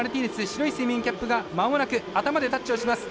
白いスイミングキャップがまもなく頭でタッチをします。